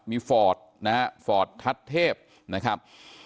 มีฟอร์ดนะฮะฟอร์ตทัศเทพนะครับ